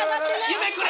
夢くれ！